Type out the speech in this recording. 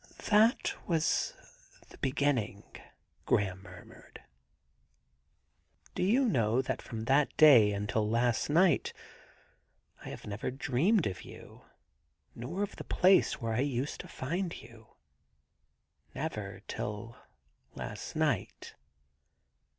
* That was the beginning,' Graham murmured. * Do 76 THE GARDEN GOD you know that from that day until last night I have never dreamed of you, nor of the place where I used to find you ... never till last night.'